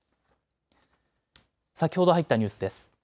先ほど入ったニュースです。